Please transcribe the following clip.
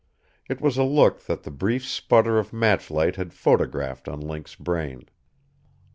It was a look that the brief sputter of match light had photographed on Link's brain.